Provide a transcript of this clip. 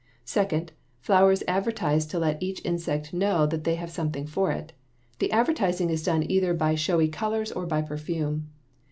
Second, flowers advertise to let each insect know that they have something for it. The advertising is done either by showy colors or by perfume.